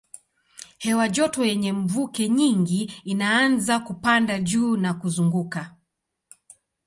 Hewa joto yenye mvuke nyingi inaanza kupanda juu na kuzunguka.